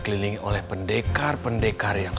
berita tentang wanita ini